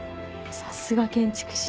さすが建築士。